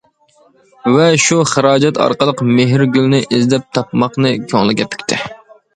ۋە شۇ خىراجەت ئارقىلىق، مېھرىگۈلنى ئىزدەپ، تاپماقنى كۆڭلىگە پۈكتى.